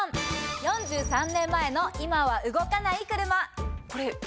４３年前の今は動かない車。